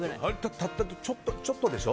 たった、ちょっとでしょ？